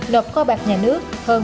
nộp kho bạc nhà nước hơn